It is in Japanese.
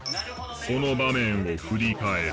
その場面を振り返る。